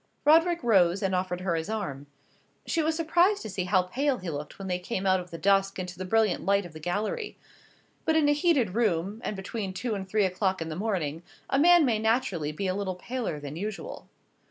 Roderick rose and offered her his arm. She was surprised to see how pale he looked when they came out of the dusk into the brilliant light of the gallery. But in a heated room, and between two and three o'clock in the morning, a man may naturally be a little paler than usual.